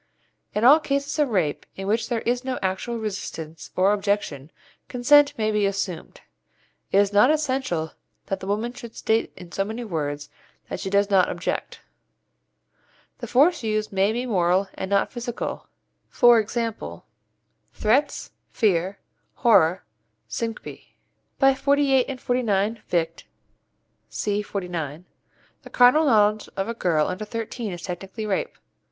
In all cases of rape in which there is no actual resistance or objection, consent may be assumed. It is not essential that the woman should state in so many words that she does not object. The force used may be moral and not physical e.g., threats, fear, horror, syncope. By 48 and 49 Vict., c. 49, the carnal knowledge of a girl under thirteen is technically rape.